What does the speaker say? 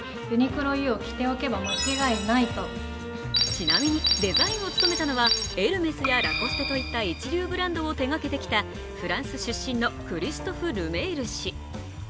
ちなみに、デザインを務めたのはエルメスやラコステといった一流ブランドを手がけてきたフランシュ出身のクリストフ・ルメール氏。